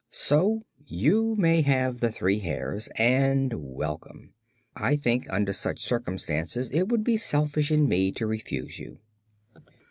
So you may have the three hairs, and welcome. I think, under such circumstances, it would be selfish in me to refuse you."